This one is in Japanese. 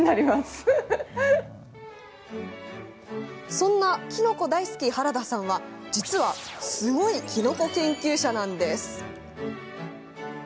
そんな、キノコ大好き原田さんは実はすごいキノコ研究者なんです。